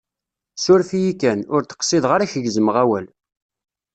Suref-iyi kan, ur d-qsideɣ ara k-gezmeɣ awal.